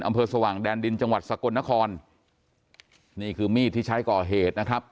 สว่างแดนดินจังหวัดสกลนครนี่คือมีดที่ใช้ก่อเหตุนะครับ